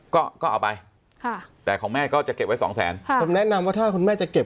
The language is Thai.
ก็ก็เอาไปค่ะแต่ของแม่ก็จะเก็บไว้สองแสนค่ะผมแนะนำว่าถ้าคุณแม่จะเก็บ